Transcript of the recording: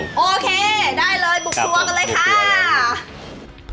โอเคได้เลยบุกทัวร์กันเลยค่ะ